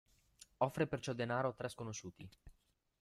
Offre perciò denaro a tre sconosciuti.